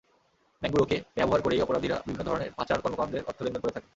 ব্যাংকগুলোকে ব্যবহার করেই অপরাধীরা বিভিন্ন ধরনের পাচার কর্মকাণ্ডের অর্থ লেনদেন করে থাকে।